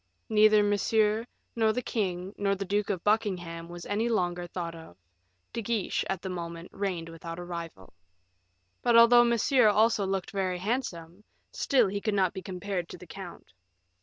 Neither Monsieur, nor the king, nor the Duke of Buckingham, was any longer thought of; De Guiche at that moment reigned without a rival. But although Monsieur also looked very handsome, still he could not be compared to the count.